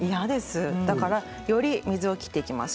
より水を切っていきます。